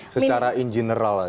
secara in general aja